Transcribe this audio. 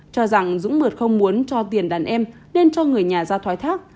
cho rằng dũng mượt không muốn cho tiền đàn em nên cho người nhà ra thoái thác